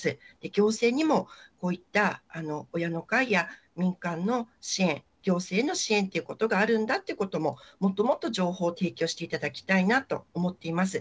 行政にもこういった親の会や民間の支援、行政の支援ということがあるんだということを、もっともっと情報を提供していただきたいなと思っております。